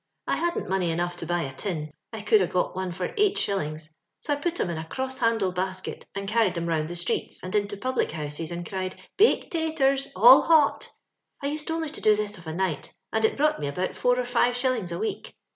I hadn't money enough to buy a tin — I could a got one for eight shil lings— so I put 'em in a cross handle basket, and carried 'em round the streets, and into public houses, and cried "Baked taters, all hot !' I used only to do thi& of a night, and it brought me about four or five shillings a week.